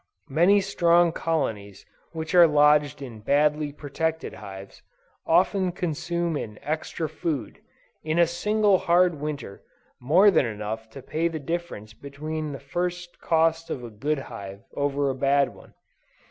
Many strong colonies which are lodged in badly protected hives, often consume in extra food, in a single hard winter, more than enough to pay the difference between the first cost of a good hive over a bad one.